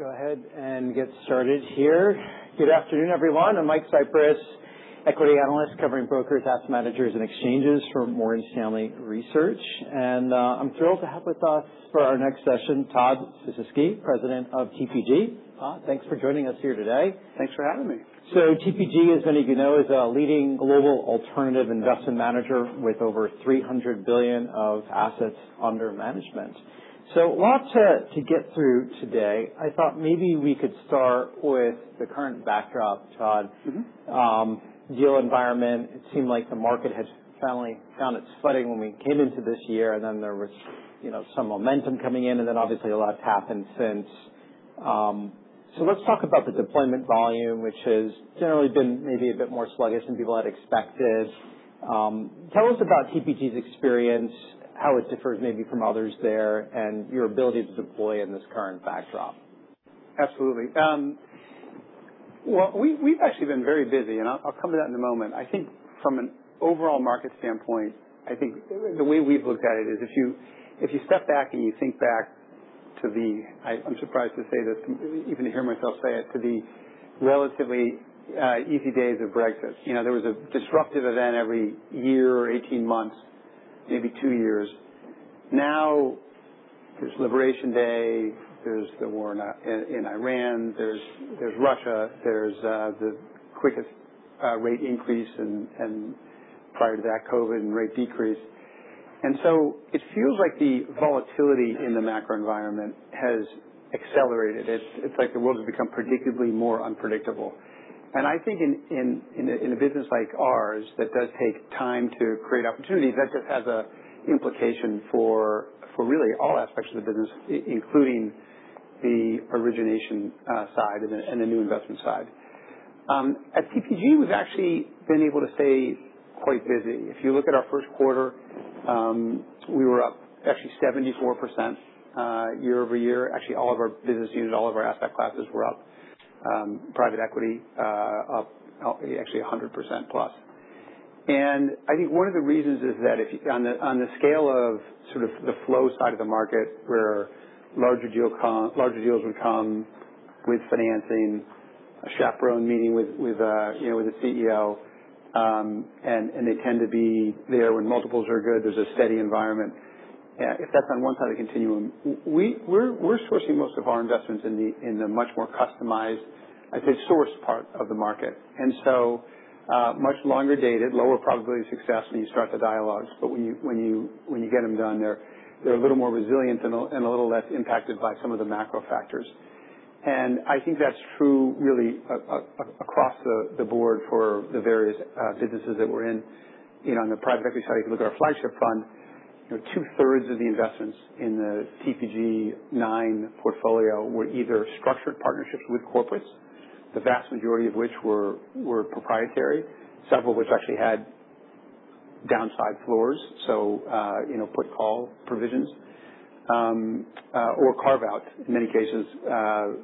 All right. Let's go ahead and get started here. Good afternoon, everyone. I'm Mike Cyprys, Equity Analyst covering brokers, asset managers, and exchanges for Morgan Stanley Research. I'm thrilled to have with us for our next session, Todd Sisitsky, President of TPG. Todd, thanks for joining us here today. Thanks for having me. TPG, as many of you know, is a leading global alternative investment manager with over $300 billion of assets under management. Lots to get through today. I thought maybe we could start with the current backdrop, Todd. Deal environment, it seemed like the market had finally found its footing when we came into this year. There was some momentum coming in. Obviously a lot has happened since. Let's talk about the deployment volume, which has generally been maybe a bit more sluggish than people had expected. Tell us about TPG's experience, how it differs maybe from others there, and your ability to deploy in this current backdrop. Absolutely. Well, we've actually been very busy. I'll come to that in a moment. I think from an overall market standpoint, I think the way we've looked at it is if you step back and you think back to the I'm surprised to say this, even to hear myself say it, to the relatively easy days of Brexit. There was a disruptive event every year or 18 months, maybe two years. Now there's Liberation Day, there's the war in Iran, there's Russia, there's the quickest rate increase, and prior to that, COVID and rate decrease. It feels like the volatility in the macro environment has accelerated. It's like the world has become predictably more unpredictable. I think in a business like ours, that does take time to create opportunities. That just has an implication for really all aspects of the business, including the origination side and the new investment side. At TPG, we've actually been able to stay quite busy. If you look at our first quarter, we were up actually 74% year-over-year. Actually, all of our business units, all of our asset classes were up. Private equity up actually 100% plus. I think one of the reasons is that on the scale of the flow side of the market, where larger deals would come with financing, a chaperone meeting with a CEO, and they tend to be there when multiples are good, there's a steady environment. If that's on one side of the continuum, we're sourcing most of our investments in the much more customized, I'd say, sourced part of the market. Much longer dated, lower probability of success when you start the dialogues, but when you get them done, they're a little more resilient and a little less impacted by some of the macro factors. I think that's true really across the board for the various businesses that we're in. On the private equity side, if you look at our flagship fund, two-thirds of the investments in the TPG Nine portfolio were either structured partnerships with corporates, the vast majority of which were proprietary, several which actually had downside floors. Put call provisions, or carve-outs in many cases,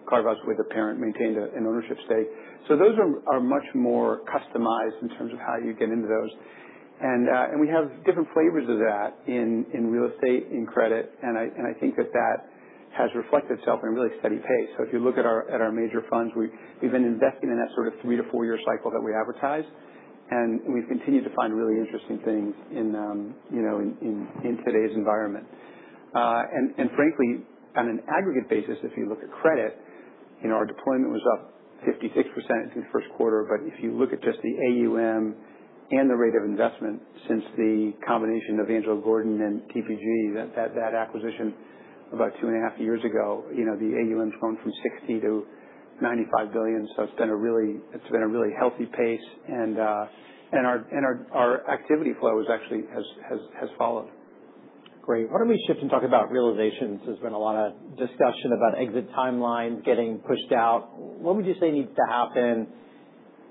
carve-outs with a parent maintained an ownership stake. Those are much more customized in terms of how you get into those. We have different flavors of that in real estate, in credit, and I think that that has reflected itself in a really steady pace. If you look at our major funds, we've been investing in that sort of three to four-year cycle that we advertise, and we've continued to find really interesting things in today's environment. Frankly, on an aggregate basis, if you look at credit, our deployment was up 56% in the first quarter. If you look at just the AUM and the rate of investment since the combination of Angelo Gordon and TPG, that acquisition about two and a half years ago, the AUM's grown from $60 billion to $95 billion. It's been a really healthy pace. Our activity flow actually has followed. Great. Why don't we shift and talk about realizations? There's been a lot of discussion about exit timelines getting pushed out. What would you say needs to happen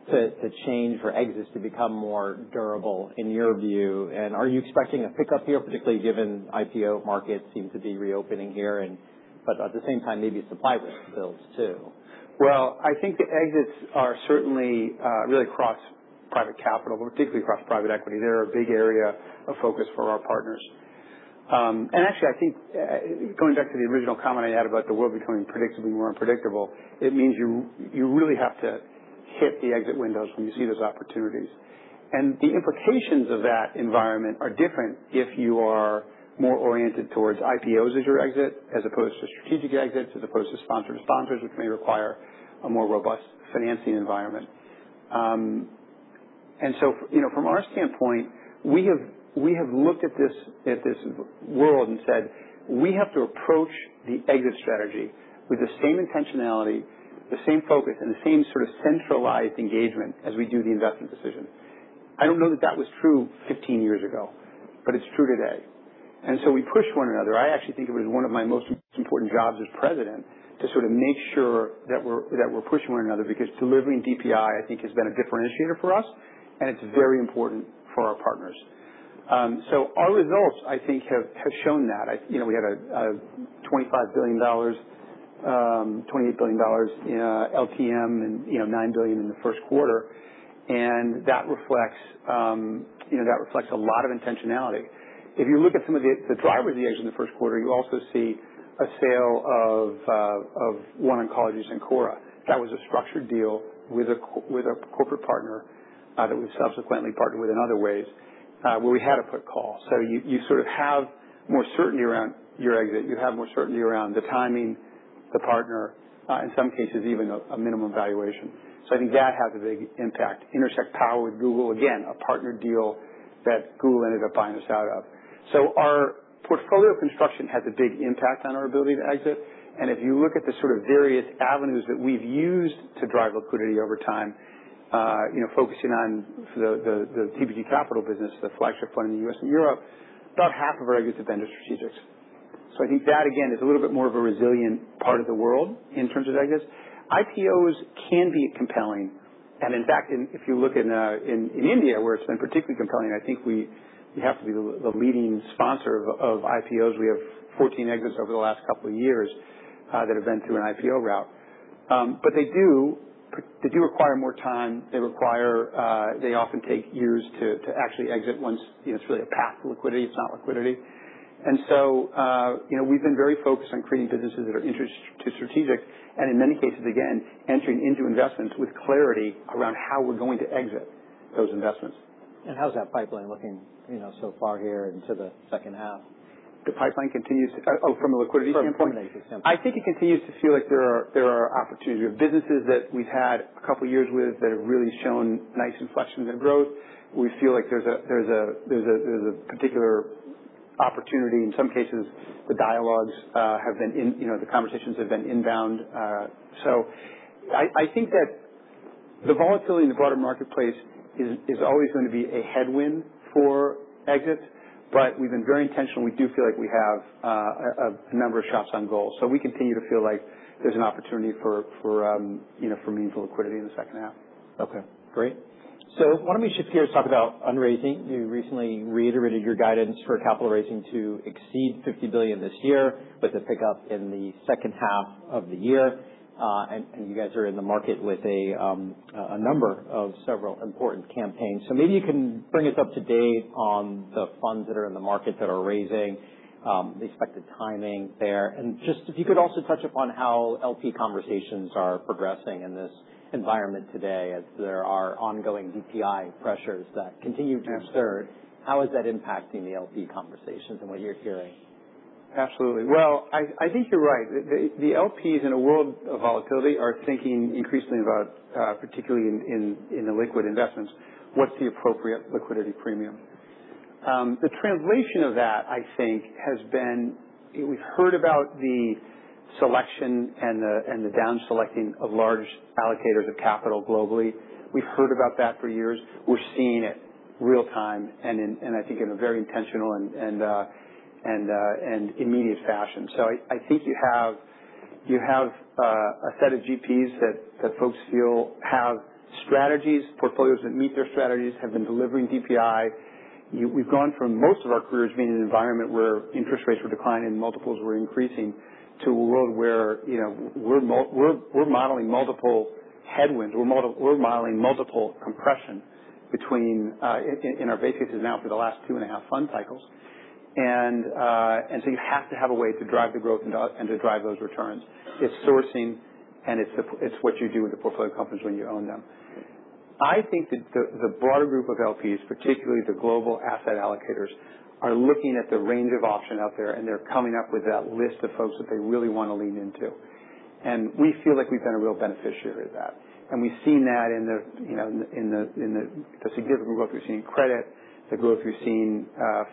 to change for exits to become more durable in your view? Are you expecting a pickup here, particularly given IPO markets seem to be reopening here, but at the same time, maybe supply builds too? Well, I think the exits are certainly really across private capital, but particularly across private equity. They're a big area of focus for our partners. Actually, I think going back to the original comment I had about the world becoming predictably more unpredictable, it means you really have to hit the exit windows when you see those opportunities. The implications of that environment are different if you are more oriented towards IPOs as your exit, as opposed to strategic exits, as opposed to sponsor-to-sponsors, which may require a more robust financing environment. From our standpoint, we have looked at this world and said we have to approach the exit strategy with the same intentionality, the same focus, and the same sort of centralized engagement as we do the investment decision. I don't know that that was true 15 years ago, but it's true today. We push one another. I actually think it was one of my most important jobs as president to sort of make sure that we're pushing one another because delivering DPI, I think, has been a differentiator for us, and it's very important for our partners. Our results, I think, have shown that. We had $25 billion, $28 billion in LTM and $9 billion in the first quarter. That reflects a lot of intentionality. If you look at some of the drivers of the exits in the first quarter, you also see a sale of OneOncology and Cencora. That was a structured deal with a corporate partner, that we've subsequently partnered with in other ways, where we had a put call. You sort of have more certainty around your exit. You have more certainty around the timing, the partner, in some cases, even a minimum valuation. I think that has a big impact. Intersect Power with Google, again, a partner deal that Google ended up buying us out of. Our portfolio construction has a big impact on our ability to exit. If you look at the sort of various avenues that we've used to drive liquidity over time, focusing on the TPG Capital business, the flagship fund in the U.S. and Europe, about half of our exits have been to strategics. I think that, again, is a little bit more of a resilient part of the world in terms of exits. IPOs can be compelling. In fact, if you look in India, where it's been particularly compelling, I think we have to be the leading sponsor of IPOs. We have 14 exits over the last couple of years that have been through an IPO route. They do require more time. They often take years to actually exit. It's really a path to liquidity. It's not liquidity. We've been very focused on creating businesses that are interesting to strategics, and in many cases, again, entering into investments with clarity around how we're going to exit those investments. How's that pipeline looking so far here into the second half? The pipeline Oh, from a liquidity standpoint? From a liquidity standpoint. I think it continues to feel like there are opportunities. We have businesses that we've had a couple of years with that have really shown nice inflection in their growth. We feel like there's a particular opportunity. In some cases, the conversations have been inbound. I think that the volatility in the broader marketplace is always going to be a headwind for exits, but we've been very intentional, and we do feel like we have a number of shots on goal. We continue to feel like there's an opportunity for meaningful liquidity in the second half. Okay, great. Why don't we shift gears, talk about fundraising. You recently reiterated your guidance for capital raising to exceed $50 billion this year with a pickup in the second half of the year. You guys are in the market with a number of several important campaigns. Maybe you can bring us up to date on the funds that are in the market that are raising, the expected timing there, and just if you could also touch upon how LP conversations are progressing in this environment today as there are ongoing DPI pressures that continue to persist. How is that impacting the LP conversations and what you're hearing? Absolutely. Well, I think you're right. The LPs in a world of volatility are thinking increasingly about, particularly in illiquid investments, what's the appropriate liquidity premium. The translation of that, I think, has been. We've heard about the selection and the down selecting of large allocators of capital globally. We've heard about that for years. We're seeing it real time and I think in a very intentional and immediate fashion. I think you have a set of GPs that folks feel have strategies, portfolios that meet their strategies, have been delivering DPI. We've gone from most of our careers being in an environment where interest rates were declining, multiples were increasing, to a world where we're modeling multiple headwinds. We're modeling multiple compression in our base cases now for the last two and a half fund cycles. You have to have a way to drive the growth and to drive those returns. It's sourcing, and it's what you do with the portfolio companies when you own them. I think that the broader group of LPs, particularly the global asset allocators, are looking at the range of option out there, and they're coming up with that list of folks that they really want to lean into. We feel like we've been a real beneficiary of that. We've seen that in the significant growth we've seen in credit, the growth we've seen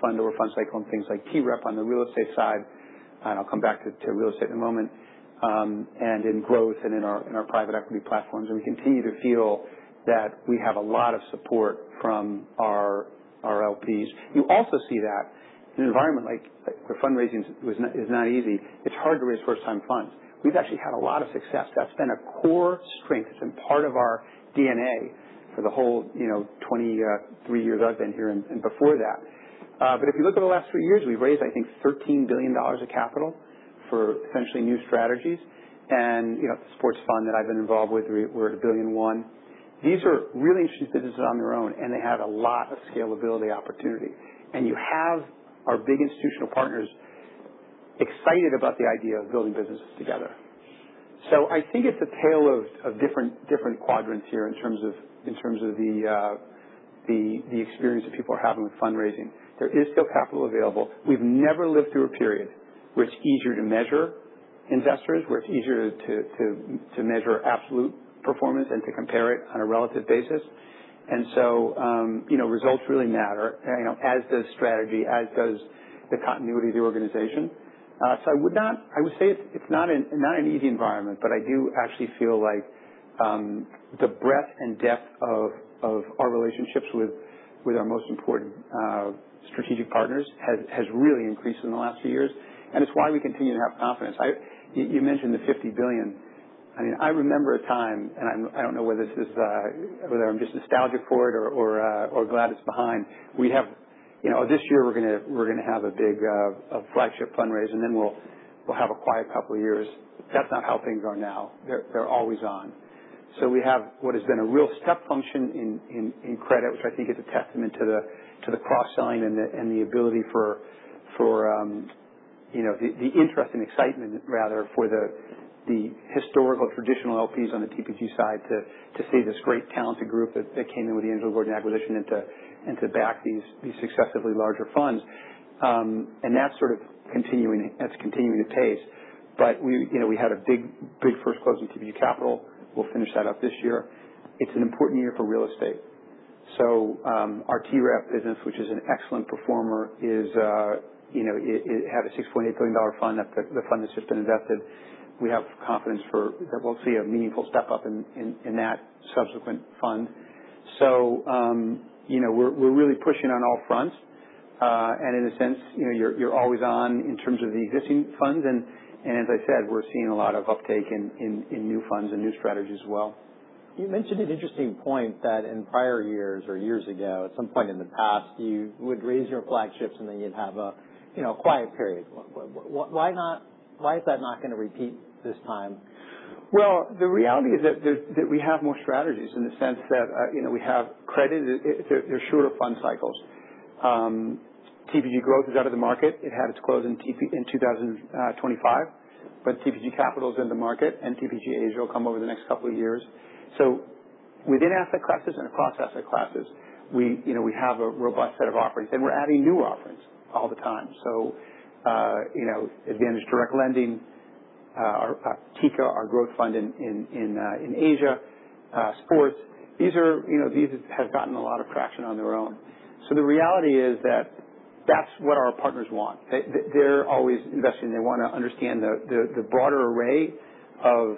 fund over fund cycle and things like TREP on the real estate side, and I'll come back to real estate in a moment, and in growth and in our private equity platforms. We continue to feel that we have a lot of support from our LPs. You also see that in an environment like where fundraising is not easy, it's hard to raise first time funds. We've actually had a lot of success. That's been a core strength. It's been part of our DNA for the whole 23 years I've been here and before that. If you look at the last few years, we've raised, I think, $13 billion of capital for essentially new strategies. The sports fund that I've been involved with, we're at $1.1 billion. These are really interesting businesses on their own, and they have a lot of scalability opportunity. You have our big institutional partners excited about the idea of building businesses together. I think it's a tail of different quadrants here in terms of the experience that people are having with fundraising. There is still capital available. We've never lived through a period where it's easier to measure investors, where it's easier to measure absolute performance and to compare it on a relative basis. Results really matter, as does strategy, as does the continuity of the organization. I would say it's not an easy environment, I do actually feel like the breadth and depth of our relationships with our most important strategic partners has really increased in the last few years, and it's why we continue to have confidence. You mentioned the $50 billion. I remember a time, and I don't know whether I'm just nostalgic for it or glad it's behind. This year we're going to have a big flagship fundraise, and then we'll have a quiet couple of years. That's not how things are now. They're always on. We have what has been a real step function in credit, which I think is a testament to the cross-selling and the ability for the interest and excitement, rather, for the historical traditional LPs on the TPG side to see this great talented group that came in with the Angelo Gordon acquisition, and to back these successively larger funds. That's continuing apace. We had a big first close in TPG Capital. We'll finish that up this year. It's an important year for real estate. Our TREP business, which is an excellent performer, it had a $6.8 billion fund. The fund has just been invested. We have confidence that we'll see a meaningful step up in that subsequent fund. We're really pushing on all fronts. In a sense, you're always on in terms of the existing funds, and as I said, we're seeing a lot of uptake in new funds and new strategies as well. You mentioned an interesting point that in prior years or years ago, at some point in the past, you would raise your flagships and then you'd have a quiet period. Why is that not going to repeat this time? Well, the reality is that we have more strategies in the sense that we have credit. They're shorter fund cycles. TPG Growth is out of the market. It had its close in 2025. TPG Capital is in the market, TPG Asia will come over the next couple of years. Within asset classes and across asset classes, we have a robust set of offerings. We're adding new offerings all the time. Advantage, direct lending, TICA, our growth fund in Asia, sports. These have gotten a lot of traction on their own. The reality is that that's what our partners want. They're always investing. They want to understand the broader array of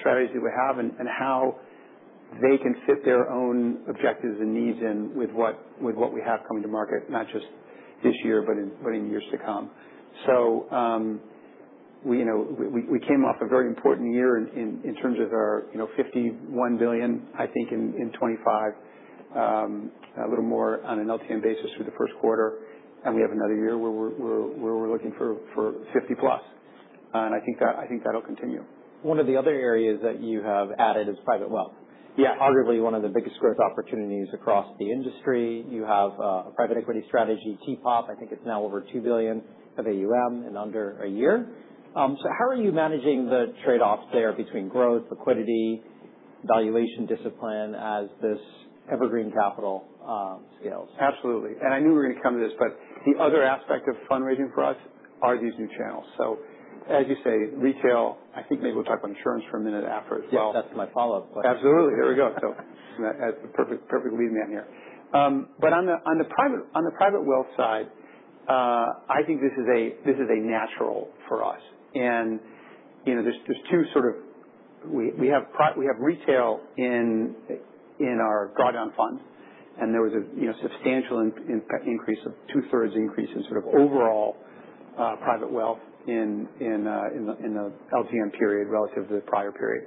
strategies that we have and how they can fit their own objectives and needs in with what we have coming to market, not just this year, but in years to come. We came off a very important year in terms of our $51 billion, I think, in 2025. A little more on an LTM basis through the first quarter. We have another year where we're looking for 50-plus. I think that'll continue. One of the other areas that you have added is private wealth. Yeah. Arguably one of the biggest growth opportunities across the industry. You have a private equity strategy, T-POP, I think it's now over $2 billion of AUM in under a year. How are you managing the trade-offs there between growth, liquidity, valuation discipline as this evergreen capital scales? Absolutely. I knew we were going to come to this, the other aspect of fundraising for us are these new channels. As you say, retail, I think maybe we'll talk about insurance for a minute after as well. Yes, that's my follow-up. Absolutely. There we go. Perfect lead-in there. On the private wealth side, I think this is a natural for us. There's two. We have retail in our Gordon funds, there was a substantial increase of 2/3 increase in overall private wealth in the LTM period relative to the prior period.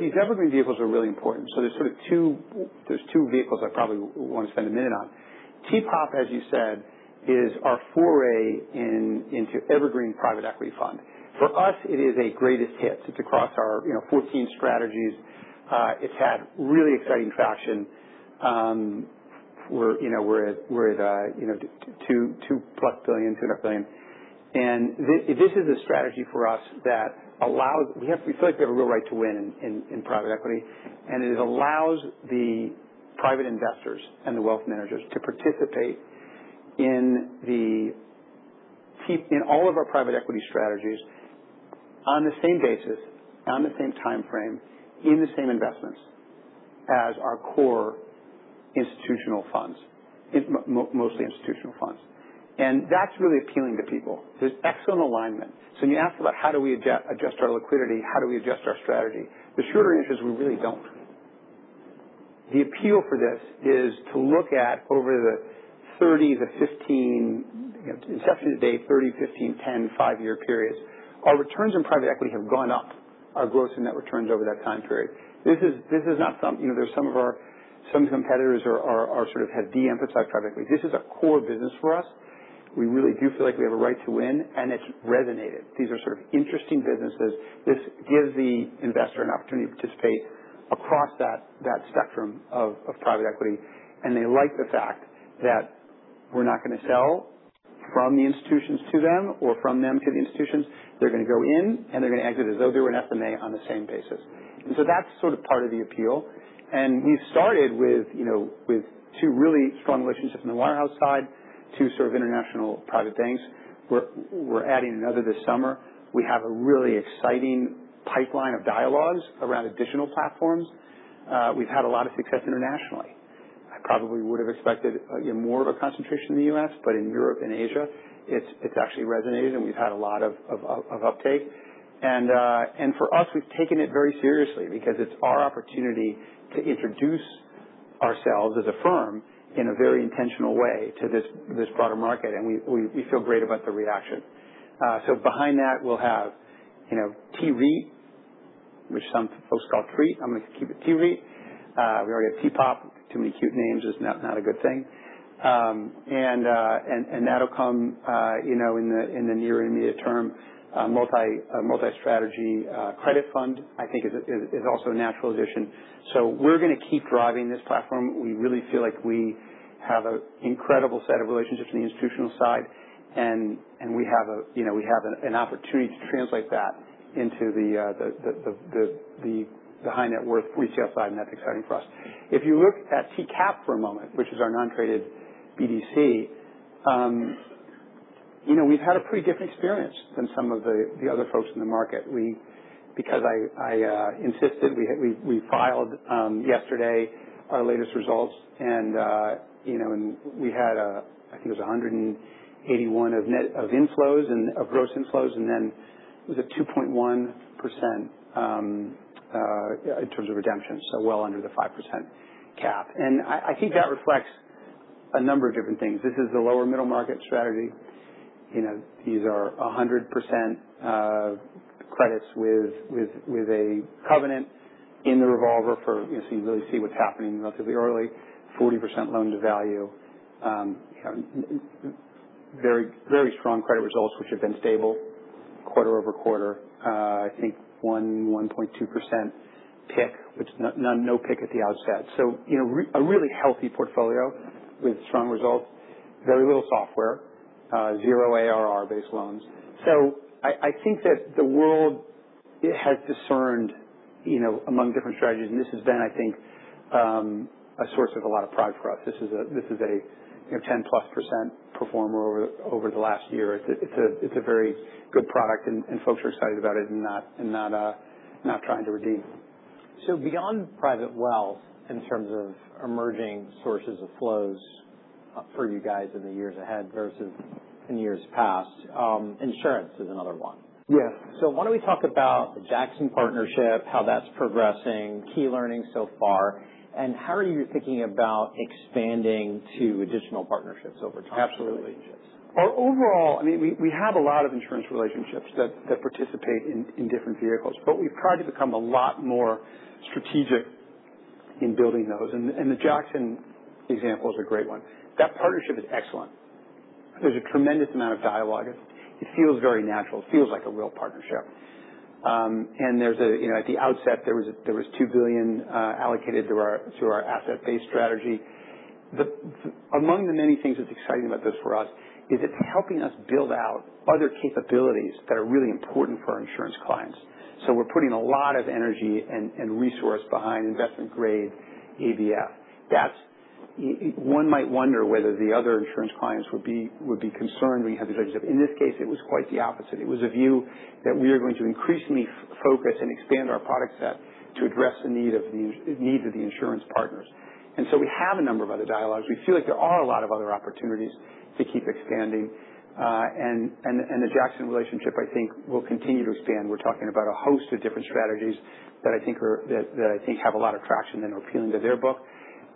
These evergreen vehicles are really important. There's two vehicles I probably want to spend a minute on. T-POP, as you said, is our foray into evergreen private equity fund. For us, it is a greatest hit. It's across our 14 strategies. It's had really exciting traction. We're at $2+ billion, $2.5 billion. This is a strategy for us that We feel like we have a real right to win in private equity. It allows the private investors and the wealth managers to participate in all of our private equity strategies on the same basis, on the same time frame, in the same investments as our core institutional funds, mostly institutional funds. That's really appealing to people. There's excellent alignment. When you ask about how do we adjust our liquidity, how do we adjust our strategy? The short answer is we really don't. The appeal for this is to look at over the 30, the 15, exception to date, 30, 15, 10, five-year periods. Our returns on private equity have gone up, our gross and net returns over that time period. Some competitors have de-emphasized private equity. This is a core business for us. We really do feel like we have a right to win, and it's resonated. These are sort of interesting businesses. This gives the investor an opportunity to participate across that spectrum of private equity. They like the fact that we're not going to sell from the institutions to them or from them to the institutions. They're going to go in, and they're going to exit as though they were an SMA on the same basis. That's sort of part of the appeal. We've started with two really strong relationships in the warehouse side, two sort of international private banks. We're adding another this summer. We have a really exciting pipeline of dialogues around additional platforms. We've had a lot of success internationally. I probably would have expected more of a concentration in the U.S., but in Europe and Asia, it's actually resonated, and we've had a lot of uptake. For us, we've taken it very seriously because it's our opportunity to introduce ourselves as a firm in a very intentional way to this broader market, and we feel great about the reaction. Behind that, we'll have TREIT, which some folks call Tweet. I'm going to keep it T-Rate. We already have T-POP. Too many cute names is not a good thing. That'll come in the near intermediate term. Multi-strategy credit fund, I think is also a natural addition. We're going to keep driving this platform. We really feel like we have an incredible set of relationships on the institutional side, and we have an opportunity to translate that into the high net worth UHNW side, and that's exciting for us. If you look at TCAP for a moment, which is our non-traded BDC, we've had a pretty different experience than some of the other folks in the market. I insisted, we filed yesterday our latest results, and we had, I think it was $181 of inflows and of gross inflows, and then it was a 2.1% in terms of redemption, so well under the 5% cap. I think that reflects a number of different things. This is the lower middle market strategy. These are 100% credits with a covenant in the revolver for, so you really see what's happening relatively early. 40% loan to value. Very strong credit results, which have been stable quarter-over-quarter. I think 1.2% PIK, which no PIK at the outset. A really healthy portfolio with strong results. Very little software. Zero ARR based loans. I think that the world has discerned among different strategies, and this has been, I think, a source of a lot of pride for us. This is a 10+% performer over the last year. It's a very good product, and folks are excited about it and not trying to redeem. Beyond private wealth in terms of emerging sources of flows for you guys in the years ahead versus in years past, insurance is another one. Yes. Why don't we talk about the Jackson partnership, how that's progressing, key learnings so far, and how are you thinking about expanding to additional partnerships over time? Absolutely. Overall, we have a lot of insurance relationships that participate in different vehicles, but we've tried to become a lot more strategic in building those, and the Jackson example is a great one. That partnership is excellent. There's a tremendous amount of dialogue. It feels very natural. It feels like a real partnership. At the outset, there was $2 billion allocated through our asset-based strategy. Among the many things that's exciting about this for us is it's helping us build out other capabilities that are really important for our insurance clients. We're putting a lot of energy and resource behind investment grade ABF. One might wonder whether the other insurance clients would be concerned when you have this idea. In this case, it was quite the opposite. It was a view that we are going to increasingly focus and expand our product set to address the needs of the insurance partners. We have a number of other dialogues. We feel like there are a lot of other opportunities to keep expanding. The Jackson relationship, I think, will continue to expand. We're talking about a host of different strategies that I think have a lot of traction and appeal into their book.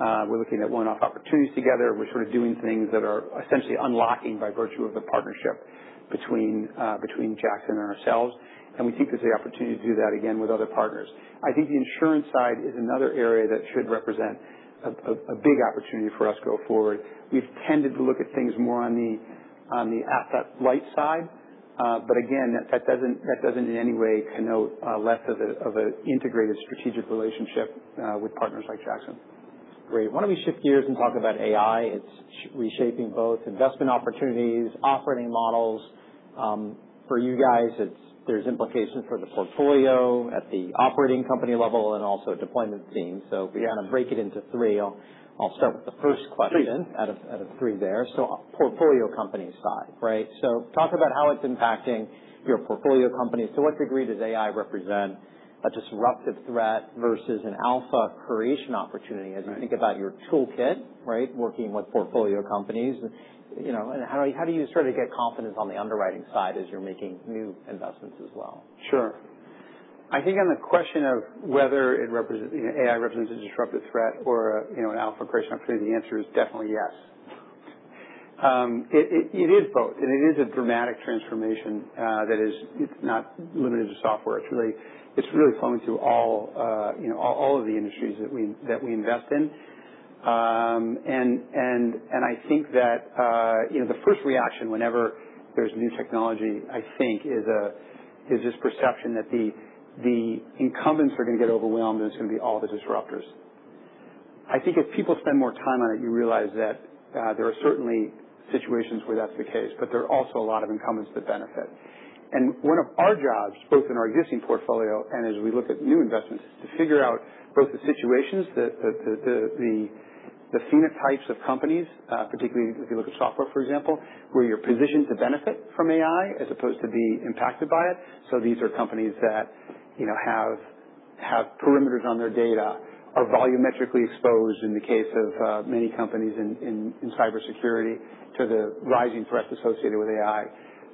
We're looking at one-off opportunities together. We're sort of doing things that are essentially unlocking by virtue of the partnership between Jackson and ourselves. We think there's the opportunity to do that again with other partners. I think the insurance side is another area that should represent a big opportunity for us going forward. We've tended to look at things more on the asset light side. Again, that doesn't in any way connote less of an integrated strategic relationship with partners like Jackson. Great. Why don't we shift gears and talk about AI. It's reshaping both investment opportunities, operating models. For you guys, there's implications for the portfolio at the operating company level and also deployment teams. Yeah. If we kind of break it into three, I'll start with the first question. Please out of three there. Portfolio companies side, right? Talk about how it's impacting your portfolio companies. To what degree does AI represent a disruptive threat versus an alpha creation opportunity as you think about your toolkit, working with portfolio companies. How do you sort of get confidence on the underwriting side as you're making new investments as well? Sure. I think on the question of whether AI represents a disruptive threat or an alpha creation opportunity, the answer is definitely yes. It is both, and it is a dramatic transformation that is not limited to software. It's really flowing through all of the industries that we invest in. I think that the first reaction whenever there's new technology, I think, is this perception that the incumbents are going to get overwhelmed, and it's going to be all the disruptors. I think if people spend more time on it, you realize that there are certainly situations where that's the case, but there are also a lot of incumbents that benefit. One of our jobs, both in our existing portfolio and as we look at new investments, is to figure out both the situations, the phenotype types of companies, particularly if you look at software, for example, where you're positioned to benefit from AI as opposed to be impacted by it. These are companies that have perimeters on their data, are volumetrically exposed in the case of many companies in cybersecurity to the rising threat associated with AI,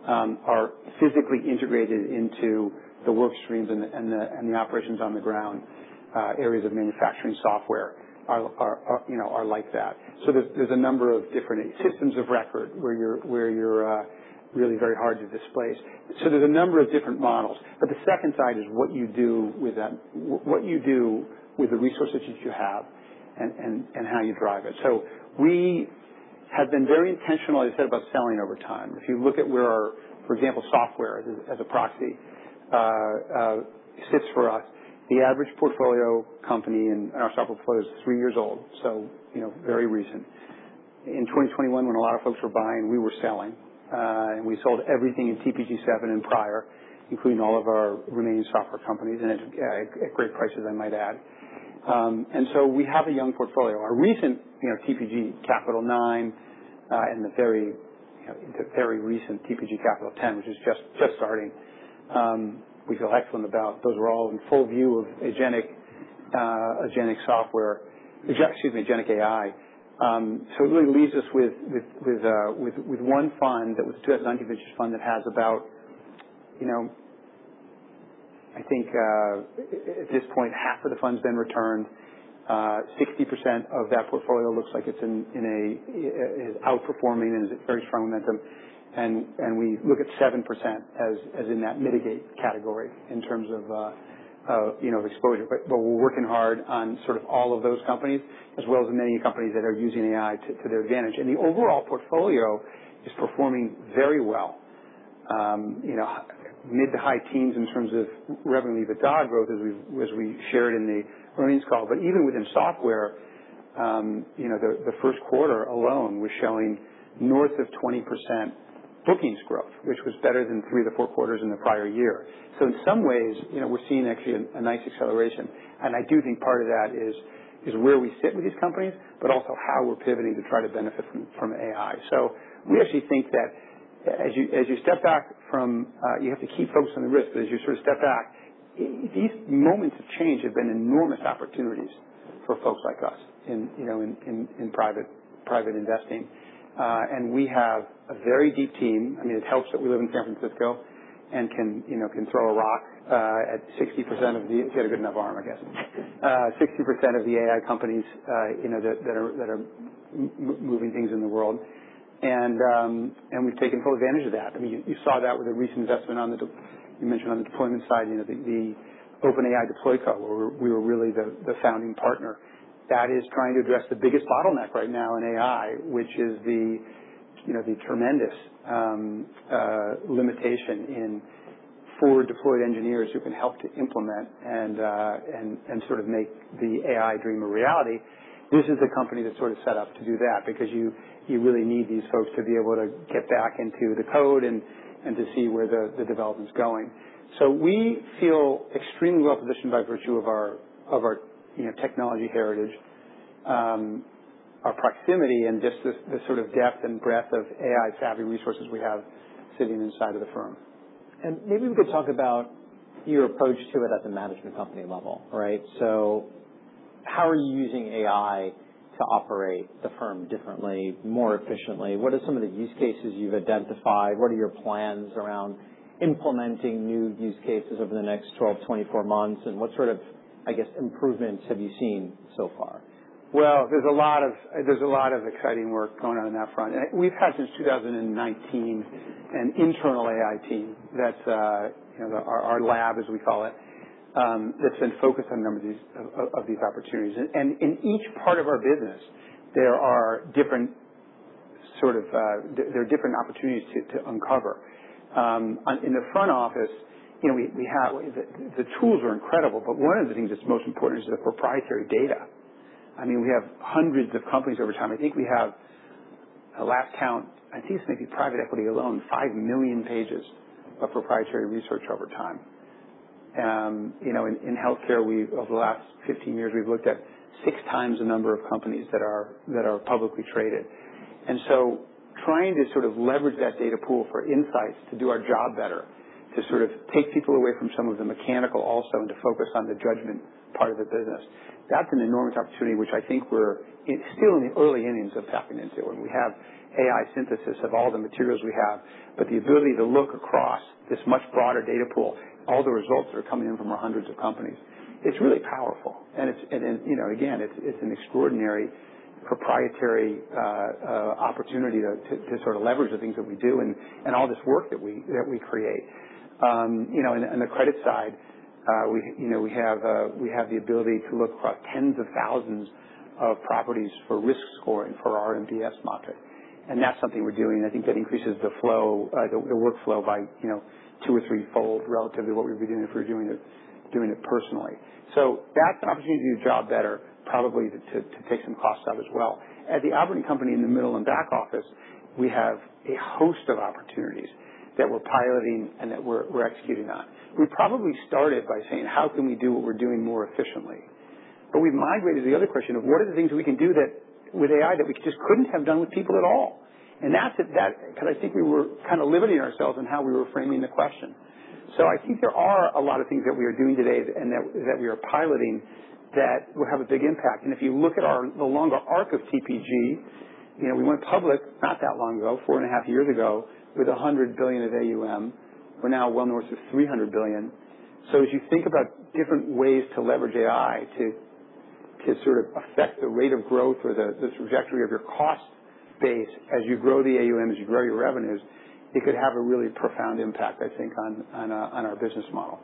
are physically integrated into the work streams and the operations on the ground. Areas of manufacturing software are like that. There's a number of different systems of record where you're really very hard to displace. There's a number of different models, but the second side is what you do with the resources that you have and how you drive it. We have been very intentional, as I said, about selling over time. If you look at where, for example, software as a proxy, sits for us, the average portfolio company in our software portfolio is three years old, very recent. In 2021, when a lot of folks were buying, we were selling. We sold everything in TPG-7 and prior, including all of our remaining software companies, and at great prices, I might add. We have a young portfolio. Our recent TPG Capital IX, and the very recent TPG Capital X, which is just starting, we feel excellent about. Those are all in full view of agentic software, excuse me, agentic AI. It really leaves us with one fund, that was 2019 vintage fund, that has about, I think at this point, half of the fund's been returned. 60% of that portfolio looks like it's outperforming and is very strong momentum. We look at 7% as in that mitigate category in terms of exposure. We're working hard on sort of all of those companies, as well as the many companies that are using AI to their advantage. The overall portfolio is performing very well. Mid to high teens in terms of revenue, the org growth as we shared in the earnings call. Even within software, the first quarter alone was showing north of 20% bookings growth, which was better than three to four quarters in the prior year. In some ways, we're seeing actually a nice acceleration. I do think part of that is where we sit with these companies, but also how we're pivoting to try to benefit from AI. We actually think that as you step back, you have to keep focused on the risks, as you sort of step back, these moments of change have been enormous opportunities for folks like us in private investing. We have a very deep team. It helps that we live in San Francisco and can throw a rock at 60% of the if you had a good enough arm, I guess. 60% of the AI companies that are moving things in the world. We've taken full advantage of that. You saw that with the recent investment you mentioned on the deployment side, the OpenAI Deploy Co, where we were really the founding partner. That is trying to address the biggest bottleneck right now in AI, which is the tremendous limitation in forward-deployed engineers who can help to implement and sort of make the AI dream a reality. This is the company that's sort of set up to do that, because you really need these folks to be able to get back into the code and to see where the development's going. We feel extremely well-positioned by virtue of our technology heritage, our proximity, and just the sort of depth and breadth of AI-savvy resources we have sitting inside of the firm. Maybe we could talk about your approach to it at the management company level, right? How are you using AI to operate the firm differently, more efficiently? What are some of the use cases you've identified? What are your plans around implementing new use cases over the next 12, 24 months? What sort of improvements have you seen so far? Well, there's a lot of exciting work going on that front. We've had since 2019 an internal AI team. Our lab, as we call it, that's been focused on a number of these opportunities. In each part of our business, there are different opportunities to uncover. In the front office, the tools are incredible, but one of the things that's most important is the proprietary data. We have hundreds of companies over time. I think we have, a last count, I think it's maybe private equity alone, 5 million pages of proprietary research over time. In healthcare, over the last 15 years, we've looked at 6x the number of companies that are publicly traded. Trying to sort of leverage that data pool for insights to do our job better, to sort of take people away from some of the mechanical also, and to focus on the judgment part of the business, that's an enormous opportunity, which I think we're still in the early innings of tapping into. We have AI synthesis of all the materials we have. The ability to look across this much broader data pool, all the results that are coming in from our hundreds of companies, it's really powerful. Again, it's an extraordinary proprietary opportunity to sort of leverage the things that we do and all this work that we create. On the credit side, we have the ability to look across tens of thousands of properties for risk scoring for our MDS model. That's something we're doing. I think that increases the workflow by two or three-fold relative to what we'd be doing if we were doing it personally. That's an opportunity to do the job better, probably to take some costs out as well. At the operating company in the middle and back office, we have a host of opportunities that we're piloting and that we're executing on. We probably started by saying, "How can we do what we're doing more efficiently?" We've migrated to the other question of what are the things that we can do with AI that we just couldn't have done with people at all? Because I think we were kind of limiting ourselves in how we were framing the question. I think there are a lot of things that we are doing today and that we are piloting that will have a big impact. If you look at the longer arc of TPG. We went public not that long ago, four and a half years ago, with $100 billion of AUM. We're now well north of $300 billion. As you think about different ways to leverage AI to affect the rate of growth or the trajectory of your cost base as you grow the AUM, as you grow your revenues, it could have a really profound impact, I think, on our business model.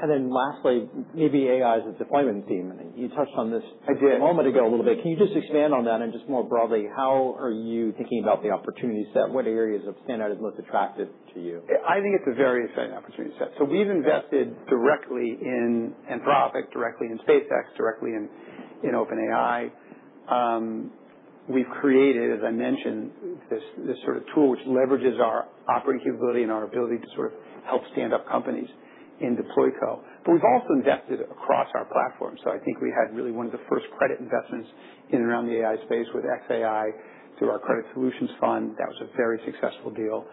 Lastly, maybe AI as a deployment theme. You touched on this-. I did A moment ago a little bit. Can you just expand on that and just more broadly, how are you thinking about the opportunity set? What areas of standout is most attractive to you? I think it's a very exciting opportunity set. We've invested directly in Anthropic, directly in SpaceX, directly in OpenAI. We've created, as I mentioned, this sort of tool which leverages our operating capability and our ability to sort of help stand up companies in DeployCo. We've also invested across our platform. I think we had really one of the first credit investments in and around the AI space with xAI through our Credit Solutions Fund. That was a very successful deal.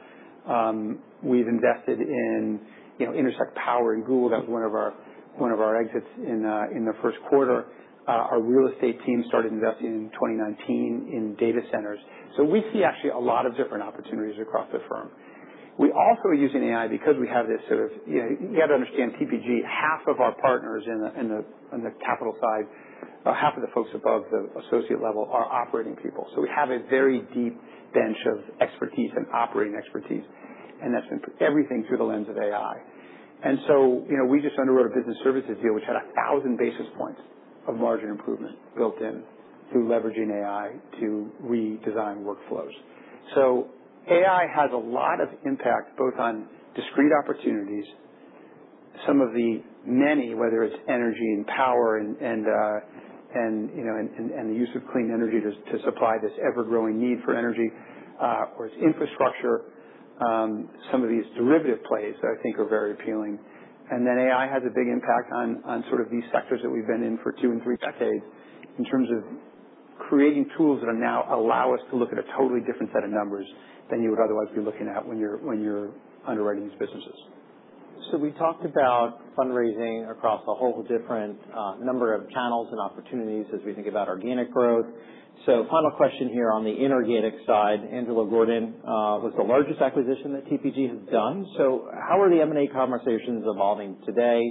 We've invested in Intersect Power and Google. That's one of our exits in the first quarter. Our real estate team started investing in 2019 in data centers. We see actually a lot of different opportunities across the firm. We also are using AI because we have this sort of You have to understand TPG, half of our partners on the capital side, half of the folks above the associate level are operating people. We have a very deep bench of expertise and operating expertise, and that's been put everything through the lens of AI. We just underwrote a business services deal, which had 1,000 basis points of margin improvement built in through leveraging AI to redesign workflows. AI has a lot of impact, both on discrete opportunities, some of the many, whether it's energy and power and the use of clean energy to supply this ever-growing need for energy or its infrastructure. Some of these derivative plays that I think are very appealing. AI has a big impact on sort of these sectors that we've been in for two and three decades in terms of creating tools that now allow us to look at a totally different set of numbers than you would otherwise be looking at when you're underwriting these businesses. We talked about fundraising across a whole different number of channels and opportunities as we think about organic growth. Final question here on the inorganic side. Angelo Gordon was the largest acquisition that TPG has done. How are the M&A conversations evolving today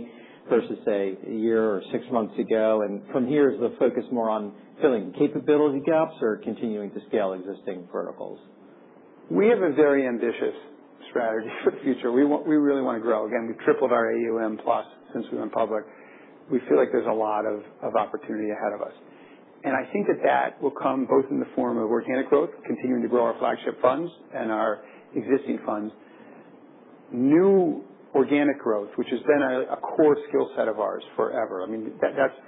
versus, say, a year or six months ago? From here, is the focus more on filling capability gaps or continuing to scale existing verticals? We have a very ambitious strategy for the future. We really want to grow. Again, we've tripled our AUM plus since we went public. We feel like there's a lot of opportunity ahead of us. I think that that will come both in the form of organic growth, continuing to grow our flagship funds and our existing funds. New organic growth, which has been a core skill set of ours forever.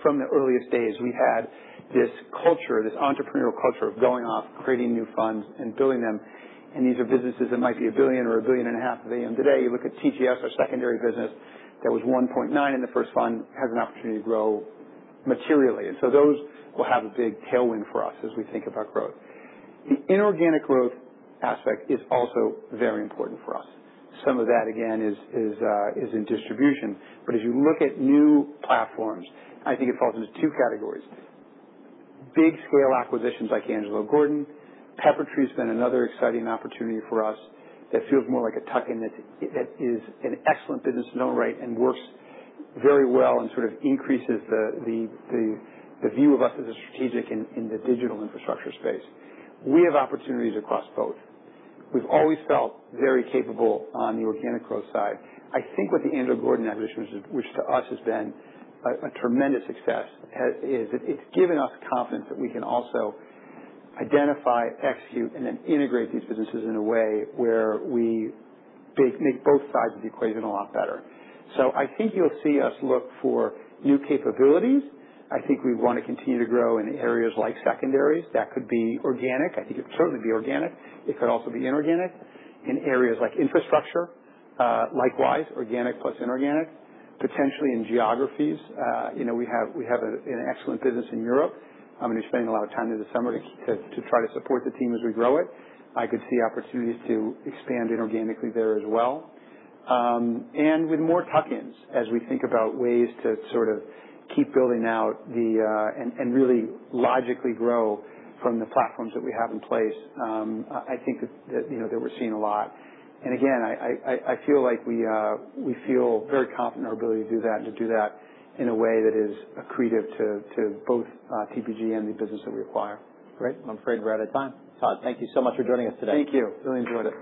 From the earliest days, we had this culture, this entrepreneurial culture of going off, creating new funds and building them. These are businesses that might be a billion or a billion and a half of AUM today. You look at TGS, our secondary business, that was 1.9 in the first fund, has an opportunity to grow materially. Those will have a big tailwind for us as we think about growth. The inorganic growth aspect is also very important for us. Some of that, again, is in distribution. As you look at new platforms, I think it falls into two categories. Big scale acquisitions like Angelo Gordon. Peppertree has been another exciting opportunity for us that feels more like a tuck-in, that is an excellent business in its own right and works very well and sort of increases the view of us as a strategic in the digital infrastructure space. We have opportunities across both. We've always felt very capable on the organic growth side. I think with the Angelo Gordon acquisition, which to us has been a tremendous success, is it's given us confidence that we can also identify, execute, and then integrate these businesses in a way where we make both sides of the equation a lot better. I think you'll see us look for new capabilities. I think we want to continue to grow in areas like secondaries. That could be organic. I think it could certainly be organic. It could also be inorganic. In areas like infrastructure, likewise, organic plus inorganic. Potentially in geographies. We have an excellent business in Europe. I'm going to be spending a lot of time there this summer to try to support the team as we grow it. I could see opportunities to expand inorganically there as well. With more tuck-ins as we think about ways to sort of keep building out and really logically grow from the platforms that we have in place. I think that we're seeing a lot. Again, I feel like we feel very confident in our ability to do that and to do that in a way that is accretive to both TPG and the business that we acquire. Great. I'm afraid we're out of time. Todd, thank you so much for joining us today. Thank you. Really enjoyed it.